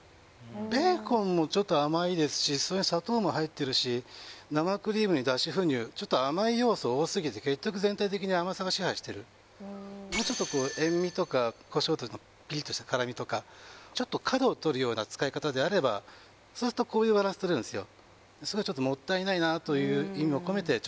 ベーコンもちょっと甘いですしそれに砂糖も入ってるし生クリームに脱脂粉乳ちょっと甘い要素多すぎて結局全体的に甘さが支配してるもうちょっとこう塩味とか胡椒のピリッとした辛みとかちょっと角を取るような使い方であればそうするとこういうバランス取れるんですよ